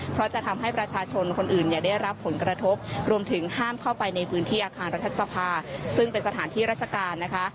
เพราะจะทำให้ประชาชนคนอื่นได้รับผลกระทบรวมถึงห้ามเข้าไปในพื้นที่อาคารรัฐสภาซึ่งเป็นสถานที่ราชการนะคะ